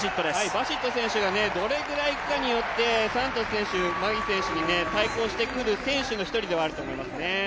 バシット選手がどれぐらいいくかによって、サントス選手、マギ選手に対抗してくる選手の１人ではありますね。